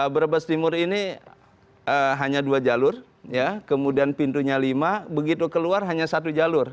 brebes timur ini hanya dua jalur kemudian pintunya lima begitu keluar hanya satu jalur